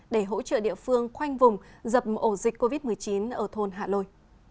để hỗ trợ địa phương khoanh vùng dập ổ dịch covid một mươi chín ở thôn hạ lôi